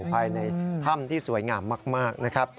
ภายในถ้ำที่สวยงามมากนะครับ